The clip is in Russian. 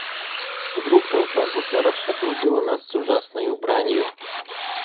Вдруг толпа гусаров окружила нас с ужасною бранью.